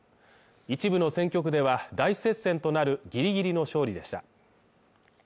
一部の選挙区では、大接戦となるギリギリの勝利でした。